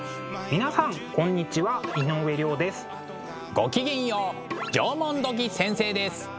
ごきげんよう縄文土器先生です。